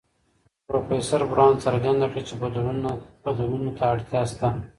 پروفيسر براون څرګنده کړه چی بدلونونو ته اړتيا سته.